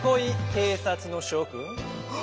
けいさつのしょくん！